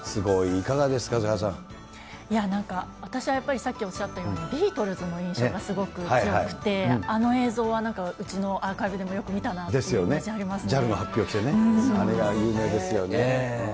いかがですか、なんか、私はやっぱりさっきおっしゃったように、ビートルズの印象がすごくて、あの映像はうちのアーカイブでもよく見たなっていう印象がありまＪＡＬのはっぴを着てね、あれが有名ですよね。